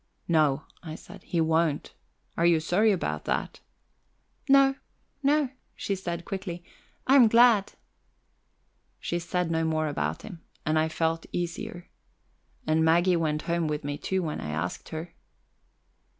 "No," I said. "He won't. Are you sorry about that?" "No, no," she said quickly. "I am glad." She said no more about him, and I felt easier. And Maggie went home with me, too, when I asked her.